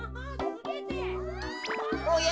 ・おや？